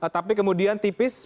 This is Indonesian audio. tapi kemudian tipis